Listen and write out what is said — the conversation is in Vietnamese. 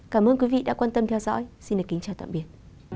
cảm ơn quý vị đã quan tâm theo dõi xin kính chào tạm biệt